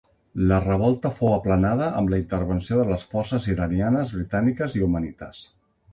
La revolta fou aplanada amb la intervenció de forces iranianes, britàniques i omanites.